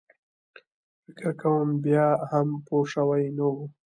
فکر کوم بیا هم پوی شوی نه و.